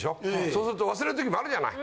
そうすると忘れる時もあるじゃない。